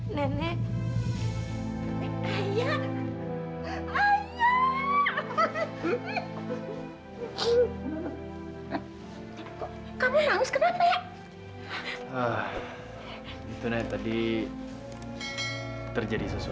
nih dia udah beres